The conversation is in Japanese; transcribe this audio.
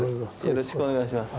よろしくお願いします。